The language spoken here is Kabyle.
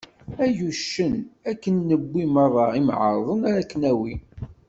Ay uccen, akken newwi meṛṛa imεerḍen ara ak-nawi.